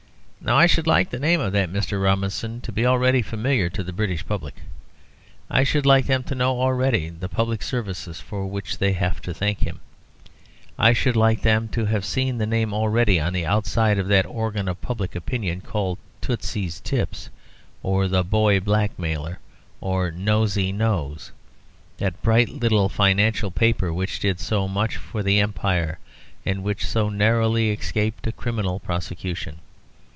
Now I should like the name of that Mr. Robinson to be already familiar to the British public. I should like them to know already the public services for which they have to thank him. I should like them to have seen the name already on the outside of that organ of public opinion called Tootsie's Tips, or The Boy Blackmailer, or Nosey Knows, that bright little financial paper which did so much for the Empire and which so narrowly escaped a criminal prosecution.